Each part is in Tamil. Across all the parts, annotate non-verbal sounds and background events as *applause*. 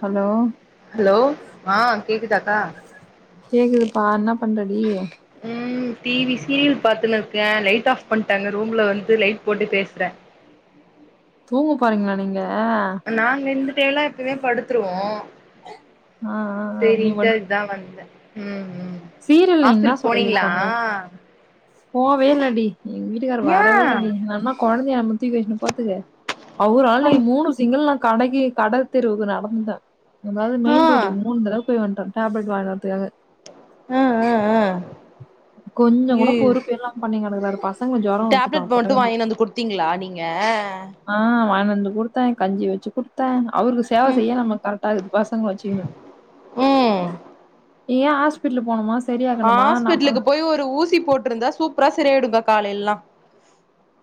ஹலோ ஹலோ ஆ கேக்குதாக்கா கேக்குதுப்பா என்ன பண்றடி ம் டிவி சீரியல் பாத்துன்னுருக்கே லைட் ஆஃப் பண்ணட்டாங்க ரூம்ல வந்து லைட் போட்டு பேசுறே தூங்கு போறீங்களா நீங்க நாங்க இருந்தட்டே எல்லா எப்யுமே படுத்துருவோ ஆ ஆ நீ சரிண்டு தா வந்த ம் ம் சீரில்ல என்ன ஹாஸ்டல் சொ போனீங்களா சொன்ன போ வேனாடி எங்க வீட்டுக்கார ஏ வரவே இல்ல டி நம்ம குழந்தைய *unintelligible* *unintelligible* பாத்துக்க அவுரால் ஐ இன்னிக்கு மூணு சிங்கல் நா கடைகி கடை தெர்வுக்கு நடந்துட்ட நம்மளால ஆ மெயின் ரோட்டுக்கு மூன் தடவ போய் வந்துட்ட டேப்லட் வாயின்வதுக்காக ஆ ஆ ஆ கொஞ்ச கூட ஐயயோ பொறுப்பே இல்லாம பண்ணி கிடக்குக்காரு பாஸ் டேப்லெட் மட்டு வாங்கினு வந்து குடுத்தீங்களா நீங்க ஆ வாயினு வந்து குடுத்தா கஞ்சி வச்சு குடுத்த அவருக்கு சேவ ம் செய்ய நமக்கு கரெக்டக்குது பசங்க வச்சுக்குணு ம் ஏன் ஹாஸ்பிடுலு போன மா ஹாஸ்பிட்டலுக்கு போய் ஒரு ஊசி போட்டுருந்தா சூப்பரா செரியாடுங்க காலையில்லா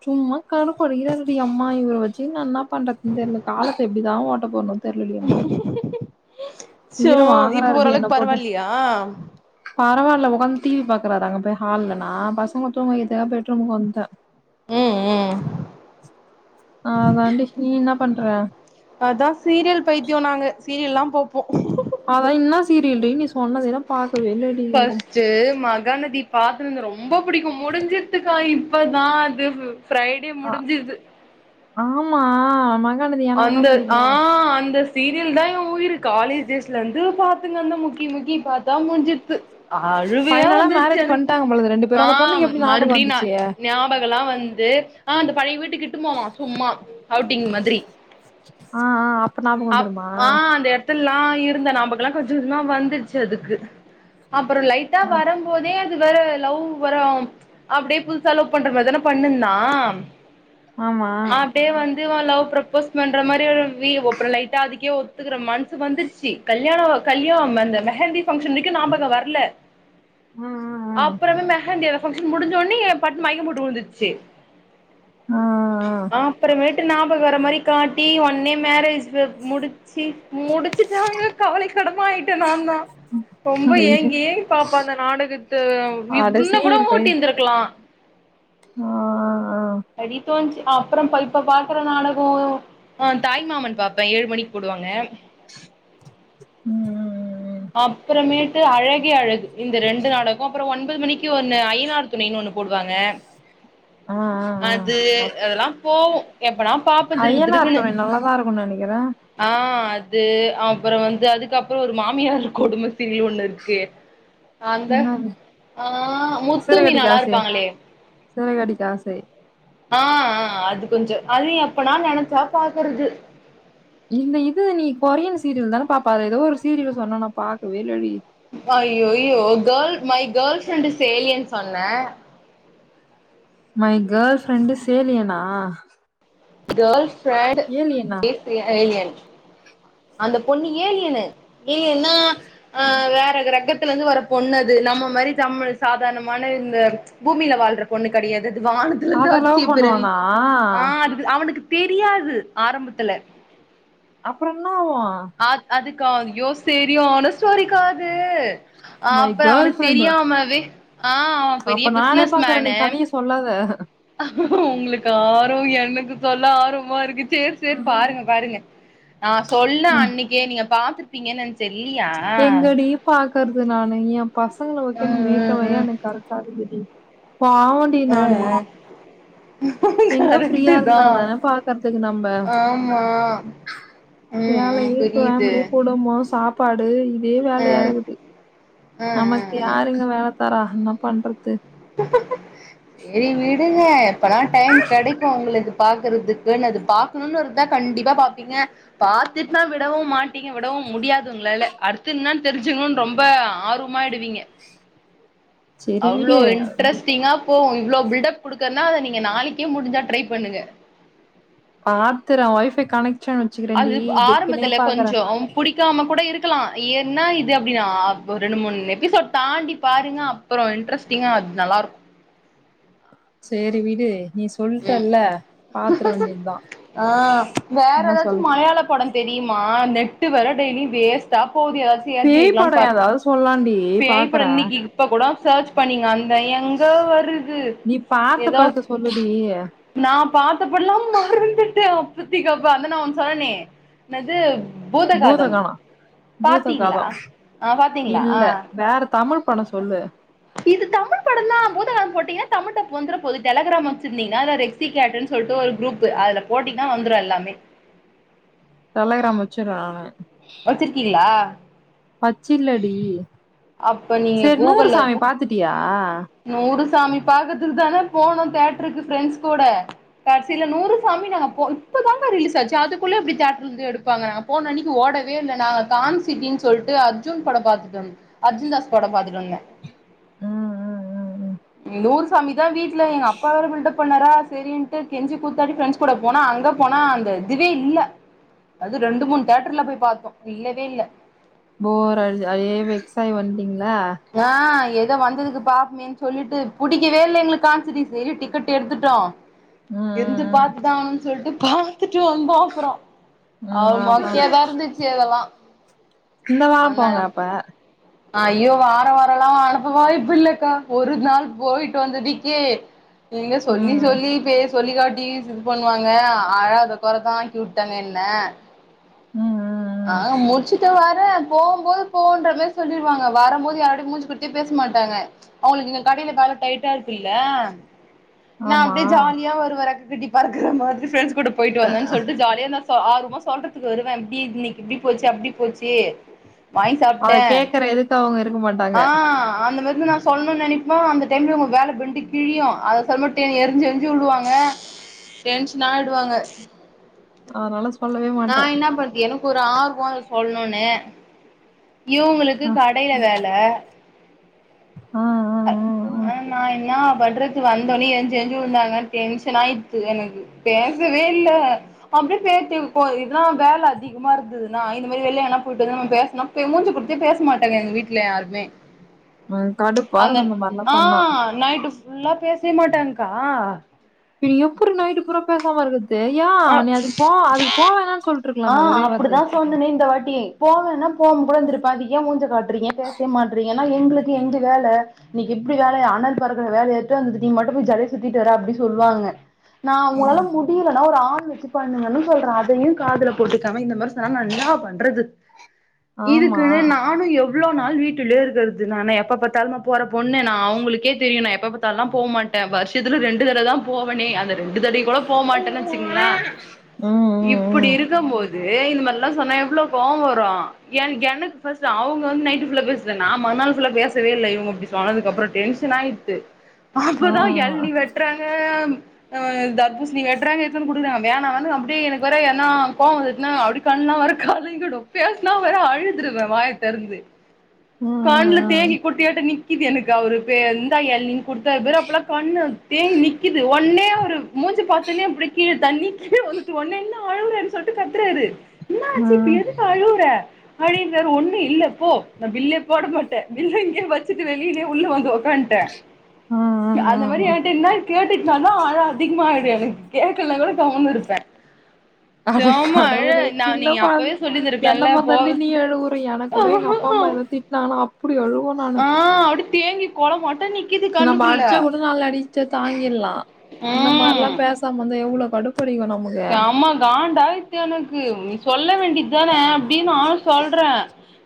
சும்மா கடுப்படிக்கிறாருடி யம்மா இவர வச்சுக்குணு நா என்ன பண்றதுன்னு தெரியல காலத்த எப்டிதா ஓட்ட போறனோ தெர்லடி யம்மா சோ உயிர இப்ப வாங்குறாருடி ஓரளவுக்கு என்ன போட்டு பரவாயில்லையா பரவாயில்ல உட்கந்து டி வி பாக்குறாரு அங்க போய் ஹால்ல நா பசங்க தூங்க வைக்கதுக்காக பெட்ரூமுக்கு வந்துட்ட ம் ம் அதாண்டி நீ என்ன பண்ற அதான் சீரியல் பைத்தியோ நாங்க சீரியல்லா பாப்போ அதா என்ன சீரியல்டி நீ சொன்னதே தா பாக்கவே இல்ல *unintelligible* மகாநதி பாத்துனுந்த ரொம்ப பிடிக்கும் முடிஞ்சித்துக்கா இப்பதா அது ஃப்ரைடே ஆ முடிஞ்சுது ஆமா ம அந்த ஆ அந்த சீரியல் தா என் உயிரு காலேஜ் டேஸ்லந்து பாத்துன்னுருந்தே முக்கி முக்கி பாத்தா முடிஞ்சித்து அழுவையா ஃபைனலா வந்துருச்சி மேரேஜ் எனக்கு பண்ட்டாங்க போலது ரெண்டு பேரு ஆ அந்த பொண்ணுக்கு எப்டி ஞாபகோ மறுபடியு நா வந்துச்சு ஞாபகல்லா வந்து ஆ அந்த பழைய வீட்டுக்கிட்டு போவா சும்மா அவுட்டிங் மாதிரி ஆ ஆ ஞாபகோ அப் வந்துருமா ஆ அந்த இட த்துல்லா இருந்த நாபகல்லா கொஞ்ச கொஞ்சமா வந்துருச்சி அதுக்கு அப்பற லைட்டா ஆ வரம் போதே அது வேற லவ் வரோம் அப்டியே புதுச லவ் பண்ற மாரி தானே பண்ணுந்தான் ஆமா அப்டியே வந்து இவன் லவ் ப்ரொபோஸ் பண்ற மாரி ஒரு வி ஒப்புற லைட்டா அதுக்கே ஒத்துக்கற மனசு வந்துருச்சி கல்யாண கல்யா அந்த மெஹந்தி பங்க்ஷனுக்கு ஞாபகம் வரல ம் ம் ம் அப்புறமே மெஹந்தி அந்த பங்க்ஷன் முடிஞ்சவுடனே பட்டுனு மயக்கோ போட்டுவுழுந்துருச்சி ஆ ஆ அப்புறமேட்டு ஞாபகோ வர மாரி காட்டி ஒன்னே மேரேஜ் முடிச்சி முடிச்சிட்டாங்க கவலைக்கடமா ஆயிட்டே நா தா ஆ ரொம்ப ஐயோ ஏங்கி ஏங்கி பாப்பே அந்த நாடகத்த அட இன்னு கூட சீரியல் பைய ஓட்டி இந்திருக்கலா ஆ ஆ படி தேண்ணுச்சி அப்புறோ ப இப்ப பாக்கற நாடகோ ஆ தாய்மாமன் பாப்பே ஏழு மணிக்கு போடுவாங்க ம் ம் அப்புறமேட்டு அழகே அழகு இந்த ரெண்டு நாடகோ அப்புறோ ஒன்பது மணிக்கி க்கி ஒன்னு ஐய்யனார் துணைன் ஒன்னு போடுவாங்க ஆ ஆ அது அதெலா போவு எப்பனா பா ஐய்யனார் துணை நல்லாதா இருக்குன் நெனைக்கிறே ஆ அது அப்புறோ வந்து அதுக்கப்புறோ ஒரு மாமியார் கெடும சீரியல் ஒன்னு இருக்கு அந்த என்னது ஆ முத்து சிறகடிக்க மீனால்லா ஆசை இருப்பாங்களே சிறகடிக்க ஆசை ஆ ஆ அது கொஞ்ச அது எப்பனா நெனச்சா பாக்கறது இந்த இது நீ கொரியன் சீரியல் தான பாப்ப அத ஏதோ ஒரு சீரியல் சொன்ன நா பாக்கவே இல்லடி ஐய் ஐய்யோ girl my girl friend is alien சொன்னே மை கேள் ஃப்ரெண்டு இஸ் ஏலியனா கேள் ஃப்ரெண்ட் ஏலியனா இஸ் ஏலியன் அந்த பொண்ணு ஏலியனு ஏலியன்னா அ வேற கிரகத்துல இருந்து வர பொண்ணு அது நம்ம மாரி தமிழ் சாதாரணமான இந்த பூமில வாழ்ற பொண்ணு கெடையாது அது வானத்துலந்து அத லவ் அதிசயப்பிறவி பண்ணுவானா ஆ அது து அவுனுக்கு தெரியாது ஆரம்பத்துல அப்புறோ என்னாவு ஆ அதுக்கா யோ சரியான ஸ்டோரிக்கா அது ஆ மை அப்ப கேர்ள் அவுனுக்கு ஃப்ரெண்டு தெரியாமவே ஆ அவன் பெரிய அப்ப நானே பிசினஸ் பாக்கறே நீ மேனு கதைய சொல்லாத உங்களுக்கு ஆர்வோ எனக்கு சொல்ல ஆர்வமா இருக்கு சேரி சேர் பாருங்க பாருங்க நா சொல்ல அன்னைக்கே நீங்க பாத்துருப்பீங்க நென்ச் எங்கடி பாக்கறது நானு ஏ பசங்கள ம் வைக்கன்னு மேய்க் க்கவைய ம் எனக்கு கரெக்டா இருக்கு டி பாவோ ஆ ஆ எங்க ஃப்ரீயா இருந்தாதான பாக்கறதுக்கு நம்ப ஆமா ம் ம் வேலையி புரியுது ஃபேமிலி குடும்போ சாப் ப்பாடு இதே வேலையா ம் இருக்குது ம் நமக் ம் ம் யாருங்க வேல தரா இன்ன பண்றது சேரி விடுங்க எப்பெல்லா டைம் கெடைக்கு உங்களுக்கு பாக்குறதுக் க்குன்னது பாக்கணுன்னு இருந்தா கண்டிப்பா பாப்பீங்க பாத்துட்டுன்னா விடவுமாட்டீங்க விடவு முடியாது உங்களால்ல அடுத்து இன்னான் தெரிஞ்சிக்கனுன் ரொம்ப ஆர் மாயிடுவீங்க *inaudible* செரி அவ்ளோ விடு இண் இன்ஸ்டிங்கா போவு இவ்ளோ பில்டப் குடுக்கறனா அத நீங்க நாளைக்கே முடிஞ்சா ட்ரை பண்ணுங்க பாத்துறே ஒய்ஃபை கனெக்ஷன் வச்சுக்கிறேண்டி அது இதுக்குன்னே ஆரம்பத்துல பாக்குறே கொஞ்சோ புடிக்காம கூட இருக்கலா என்ன இது அப்டினு அப் ரெண்டு மூன் எபிசோட் தாண்டி பாருங்க அ ப்பறோ இன்ட்ரெஸ்ட்டிங்கா அது நல்லாரு சேரி விடு நீ ம் சொல்ட்டல்ல பாத்ர வேண்டியதா ஆ வேற என்ன ஏதாச்சு சொல் மலையாள படம் தெரியுமா நெட்டு் வேற டெய்லி வேஸ்ட்டா போகுது ஏதா பேய் படோ எதாவது சொல்லாண்டி பேய் படோ இன்னிக்கு இப்ப கூடோ செர்ச் பண்ணீங்க அ ந்த எங்க வருது நீ பாத்த எதோ படத்த சொல்லுடி நா பாத்தபடல்லா மறந்துட்டே அப்பத்திகப்ப அதா நா ஒன்னு சொன்னனே என்னது பூதகாதம் பூதகானோ பூத பாத்தீங்ளா காதோ ஆ பாத்தீங்ளா இல்ல வேற தமிழ் படோ சொல்லு இது தமிழ் படந்தா பூதகாதம் போட்டீங்னா தமிழ் டப் வந்தற போது டெலகிராம் வச்சிருந்தீங்ன்னா எதா ரெ சிகேட்டு ன் சொல்ட்டு ஒரு குரூப்பு அதுல போட்டீங்னா வந்துரு எல்லாமே டெலகிராம் வச்சருறே நானு வச்சிருக்கீள்லா பச்சில்லடி அப்ப நீங்க சேர் நூறு கூகுள்ல சாமி தா பாத்துட்டியா நூறு சாமி பாக்கத்துக்கு தானே போனோ தேட்ருக்கு ஃப்ரெண்ட்ஸ் கூட கட்சில்ல நூறு சாமி நாங்க போ இப்பதாங்க்கா ரிலீஸ் ஆச்சு அதுக்குள்ள எப்டி தேட்ர்ல இருந்து எடுப்பாங்கா போன அன்னைக்கு ஓடவே இல்ல நாங்க கான்சிட்டின் சொல்ட்டு அர்ஜுன் படோ பாத்துட்டு வந் அர்ஜுன்தாஸ் படோ பாத்துட்டுவந்தே ம் ம் ம் ம் நூற் சாமிதா வீட்ல எங்க அப்பா வேற பில்டப் பண்ணரா சரின்ட்டு கெஞ்சி கூத்தாடி ஃப்ரெண்ட்ஸ் கூட போனா அங்க போனா அந்த இதுவே இல்ல அது ரெண்டு மூன் தேட்டர்ல போய் பாத்தோ இல்லவே இல்ல போர் அடுச் அதே வெக்ஸ் ஆய் வன்டீங்ளா ஆ ஏதோ வந்ததுக்கு பாப்மேன் சொல்லிட்டு புடிக்கவே இல்ல எங்ளுக்கு கான் சிட்டிசு இரு டிக்கெட் எடுத்துட்டோ ம் இருந்து ம் பாத்துதா ஆகணுன் சொல்ட்டு பாத்துட்டு வந்தோ அப்றோ ம் அவ ம் ஆமா மொக்கயாதா இருந்துச்சு அதெல்லா இந்த வாரோ போங்க அப்ப அயோ வார வாரல்லா அனுப்ப வாய்ப்பில்லக்கா ஒரு நாள் போய்ட்டு வந்ததுக்கே நீங்க சொல்லி ம் ம் சொல்லி பேஸ் சொல்லிகாட்டி இது பண்வாங்க அ அழாத கொறதா ஆக்கிவுட்டாங்க என்ன ம் அ ஆ முச்சிட்டு வரே போம்போது போன்ற மேரி சொல்லிருவாங்க வரம் போது யாரோடயு மூஞ்சி குட்த்தே பேச மாட்டாங்க அவுங்ளுக்கு இங்க கடைல வேல டைட்டா இருக்குல்ல நா ஆமா அப்டே ஜாலியா வருவ றெக்ககட்டி பறக்குற மாதிரி ஃப்ரெண்ஸ் கூட போய்ட்டு அ, வந்தே சொல்ட்டு ஜாலியா நா து ஆர்வமா சொல்றதுக்கு வருவ இப்டி இன்னிக்கி இப்டி போச்சு அப்டி போச்சு வாங்க் அத சாப்ட்ட கேக்குற இதுக்கு அவங்க இருக்க மாட்டாங்க ஆ அந்த மார்தா நா சொல்னுன் நெனிப்பமா அந்த டைம்ல இவ்ங்க வேல பெண்டு கிழியு அத செமட்டெ எரிஞ்சி எரிஞ்சி விழுவாங்க டென்ஷன் ஆய்டுவாங்க அதனால சொல்லவே நா மாட்டே இன்ன பண்து எனக்கு ஒரு ஆர்வோ சொல்ணுனு இவுங்ளுக்கு ஆ கடைல வேல ஆ ஆ அ ஆ நா என்னா பண்ற வந்தொன்னே எஞ்சு எஞ்சு உழுந்தாங்க டென்ஷன் ஆய்த்து எனக்கு பேசவே இல்ல அப்டே பேத்தி போ இதா வேல அ அதிகமா இருந்துது நா இந்த மேரி வெள்ள எண்ணா போய்ட்டு வந்து நம்ம பேஸ்னா பே மூஞ்ச குட்த்தே பேஸ் மாட்டங்க எங்க வீட்ல யாருமே *unintelligible* அந்நாய்ட்டுஃப் ஃபுல்லா பேசேமாட்டாங்க்கா இ எப்றி நைட்டு பூரா பேசாம இருக்க து யா ஆ நீ அதுக் போ அதுக் போவேணான் சொல்ட்ருக்கலாமே ஒரே வார்த்தே வந்துனே இந்த வாட்டி போலனா போம்போது வந்திருப்ப அது ய மூஞ்ச காட்றீங்க பேசவே மாட்றீங்கனா எங்ளுக்கு எங்க வேல நீ இப்டி வேலய அனல் பறக்குற வேலயட்வந்த் நீ மட்டுமே ஜலிச்சு தூக்ட்டு வர அப்டின் சொல்வாங்க நா உங்ளால முடியில நா ஒரு ஆறு வர்ஷ கொழந்த மாரினு சொல்ற அதையூ காதுல போட்டுக்காம இந்த மாரி சொனா நா இன்னா பண்றது ஆமா இதுக்குனே நா நானு எவ்ளோ நாள் வீட்டுலே இருக்கற்து நா என்ன எப்ப பத்தாலுமா போற பொண்ணு நா அவுங்ளுக்கே தெரியு நா எப்ப பா தா லா போ மாட்ட வர்ஷத்துல ரெண்டு தட தா போவனே அந்த ரெண்டு தடயு கூட போமா திங்ளா ம் இப்புடி ம் இருக்கம் போது இந்த மார்லா சொன்னா எவ்ளோ கோவோ வரூ எ எனக் ஃபஸ் அவுங்க வந்து நைட்டு ஃபுல்லா பேஸ்த நா மந்நாள் ஃபுல்லா பேசவே இல்ல இவுங்க இப்டி போனதுக்கப்பறோ டென்ஷன் ஆயிட்டு ம் ஆ அப்பதா எள்நி வெட்றாங்க ஆ தர்பூஸ்ணி வெட்றாங்க த்நன் குடுக்றாங் வேணா வேணா அப்டே எனக்கு வேற ஏனா கோவொ வந்துட்னா அப்டே கண்லா‌ வேற கலங்கிடு பேஸ்னா வேற அழுதுருவ வாய தரந்து ம் ம் கண்ல ம் தேங்கி குட்டியாட்டொ நிக் நிக்குது எனக்கு அவரு பே இந்தா எள்நின் குட்த்தார் பாரு அப்பல்லா கண்ணு தேங்கி நிக்குது ஒன்னே அவுரு மூஞ்ச பாத்துன்னே அப்டே கீழ தண்ணி கீழ உந்துட்டு ஒன்னே என்ன அழுவுறன் சொல்ட்டு கத்துறாரு இன்னா ஆச்சு இப்ப எது அழுவுர அடினார் ஒண்ணு இல்ல போ நா பில்லே போட மாட்ட பில்ல இங்க்யே வச்சுட்டு வெளியிலே உள்ள வந்து ஒக் க்கான்ட்ட அந்த மாரி யன்ட்ட இன்னா கேட்டுட்னாலு அழ அதிக்மா ஆய்டு எனக் கேக்கல்லாலு கம்முன் இருப்ப அட கடவுளே நா சின்ன நீங்க கொழந் அப்பவே என்ன சொல்லிருந்திருக்கலால்ல போ மாற்தான்டி நீ எழுவுற எனக்கூட எங்க அப்பா அம்மா எதாது திட் நானா அப்படி அழுவன் நானு ஆ அப்டி தேங்கி கோலமாட்டு நிக் நாம்ம அச்சா கூட நாலு அடிச்சா தாங்கிட்லா இந்த மாரில்லா ம் பேச் ம்ர்ந்தா எவ்ளோ கடுபடிக்கு நமக் செம காண்டாயித்து எனக்கு நீ சொல்ல வேண்டியது தான அப்படின்னு நானு சொல்றே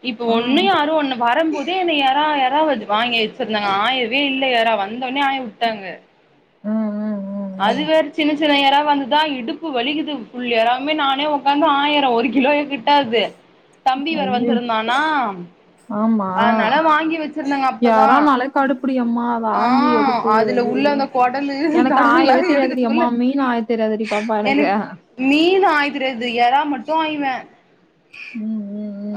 இப்ப ஆ ஒண்ணுு ம் யாரு ஒன்னு வாரம் போ இதே என்ன யாரா யாராவது வாங்கி வச்சிருந்தாங்க ஆயவே இல்ல யரா வந்தோனே ஆய வுட்டாங்க ம் ம் அது ம் வேற சின்ன சி சின்ன எறாவா இந்துதா இடுப்பு வலிக்குது ஃபுல் எராவுமே நானே உக்காந்து ஆயிரே ஒரு கிலோயே கிட்டாது தம்பிவேற ஐயோ வந்திருந்தானா ஆமா அதனாலா வாங்கி வச்சிருந்தாங்க அப்பதா யாரானாலே கடுப்புடி எம்மா அத ஆ ஆஞ்சி எடுத்து அதுல ஐயையோ உள்ளத கொடலு எனக்கு கடல்லா ஆயவே எடுக்கறதுக்குள்ள தெரியாதுடியம்மா மீன் ஆய தெரியாதுடி பாப்பா எனக்கு மீன் ஆய தெரியாது எரா மட்டு ஆய்வே உம்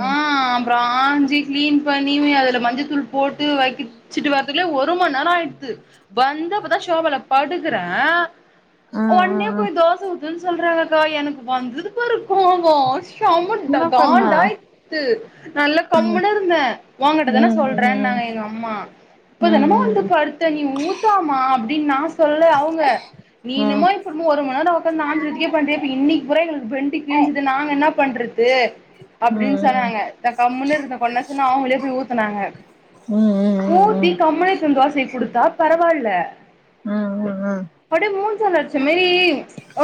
ஆ அப்றோ ஆஞ்சு கிளீன் பண்ணி அதுல மஞ்ச தூள் போட்டு வக்கிச்சிட்டு வர்றதுக்குல்ல ஒரு மண் நேரோ ஆயிடுது வந்து அப்பதா ஷோபால படுக்குறே ஆ ஆ ஒன்னே ஆ போய் தோச ஊத்துனு சொல்றாங்கக்கா எனக்கு வந்துது பாரு கோவோ செம என்ன பண்ண காண்டாயி து நல்லா ம் கம்முன்னுருந்தே ஓங்கிட்டதான சொல்றேனாங்க எங்க அம்மா உம் உம் செத்த நீ ஊத்தாம்மா அப்டின் நா சொல்ல அவுங்க ம் நீன்னமோ இப்போமோ ஒரு மணி நேர ஒக்காந்து ஆஞ்சதுக்கே பன்றியே அப்ப இன்னக்கி கூட எனக்கு ப்பெண்ட்டு கீஞ்சுதே அப்ப நாங்க என்னாப் பண்றது ம் அப்டின் ம் சொன்னாங்க நா கம்முன்னு இருந்தே கொஞ்ச நேர சென்டு அவுங்களே போய் ஊத்துனாங்க ம் ம் ஊத்தி ம் கம்முனு எத்துவந்து தோசய குத்தா பரவால்ல ஆ ஆ ஆ அப்டியே மூஞ்சால அடுச்சா மாறி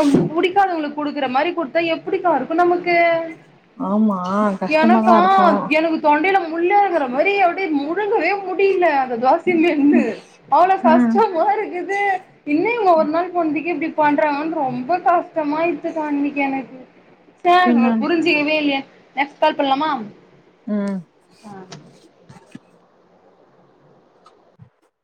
ம் புடிக்காதவங்களுக்கு குடுக்குற மாரி குடுத்தா எப்டிக்கா இருக்கு நமக்கு ஆமா ஆ எனக்கா எனக்கு தொண்டைல முள்ளரங்குற மாரி அப்டே முழுங்கவே முடில்ல துவாசியுமே என்னு அவ்வளோ ம் கஷ்டமா இருக்குது என்ன இவுங்க ஒரு நாள் போன்துக்கே இப்டி பண்றாங்ணு ரொம்ப கஷ்டமா ஆய்த்துகா அன்னக்கி எனக்கு சா நாம பின்ன புரிஞ்சுக்கவே இல்லயே நெக்ஸ்ட் கால் பண்லாமா உம் ஆ